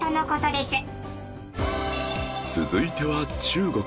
続いては中国